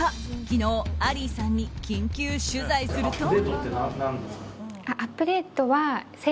昨日、アリーさんに緊急取材すると。